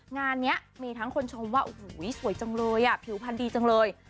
งานนี้มีทั้งคนชมว่าโอ้โหสวยจังเลยอ่ะผิวพันธุ์ดีจังเลย